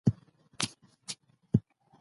که غواړئ پوه سئ نو کتابونه ولولئ.